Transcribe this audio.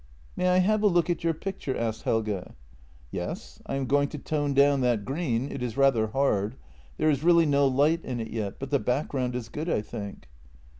" May I have a look at your picture? " asked Helge. " Yes ■— I am going to tone down that green — it is rather hard. There is really no light in it yet, but the background is good, I think."